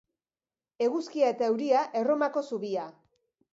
Eguzkia eta euria, erromako zubia.